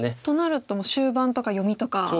となると終盤とか読みとか。